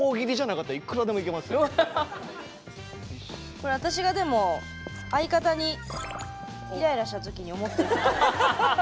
これ私がでも相方にイライラした時に思ったことを。